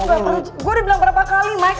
gue udah bilang berapa kali mike